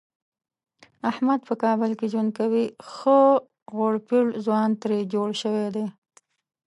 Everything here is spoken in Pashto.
احمد په کابل کې ژوند کوي ښه غوړپېړ ځوان ترې جوړ شوی دی.